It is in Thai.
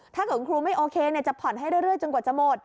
ถ้ากลัวครูไม่โอเคจะพอดให้เรื่อยจนกว่าจะหมด